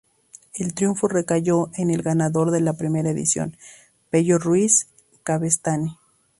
El triunfo recayó en el ganador de la primera edición, Pello Ruiz Cabestany.